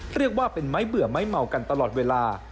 เรียกว่าเป็นไม้เบื่อไม้เมากันตลอดเวลา